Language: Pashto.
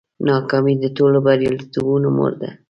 ناکامي د ټولو بریالیتوبونو مور ده.